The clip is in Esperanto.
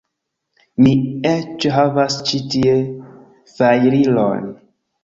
Mi eĉ havas ĉi tie fajrilon